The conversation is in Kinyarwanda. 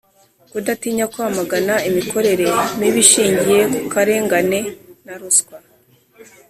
kudatinya kwamagana imikorere mibi ishingiye ku karengane na ruswa